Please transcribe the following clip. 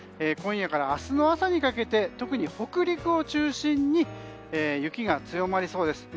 今夜から明日の朝にかけて特に北陸を中心に雪が強まりそうです。